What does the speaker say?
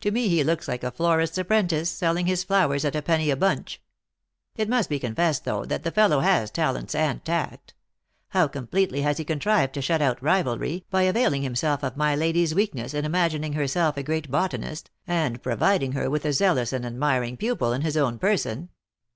To me he looks like a florist s apprentice, selling his flowers at a penny a bunch. It must be confessed though that the fellow has talents and tact. How completely has he contrived to shut out rivalry, by availing himself of my lady s weakness in imagining herself a great botanist, and providing her with a zealous and admir ing pupil in his own person.